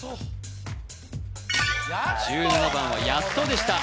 １７番はやっとでした